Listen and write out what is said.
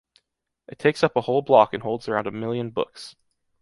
It takes up a whole block and holds around a million books.